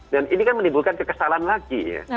dan ini kan menimbulkan kekesalan lagi ya